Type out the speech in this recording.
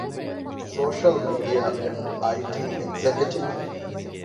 ސޯޝަލްމީޑިއާ އެންޑް އައި.ޓީ އެގްޒެކެޓިވް